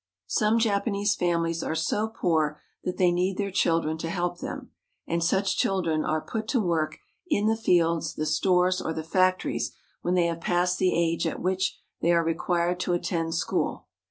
Some Japanese families are so poor that they need their children to help them ; and such children are put to work JAPANESE CHILDREN AT SCHOOL 6/ in the fields, the stores, or the factories, when they have passed the age at which they are required to attend school.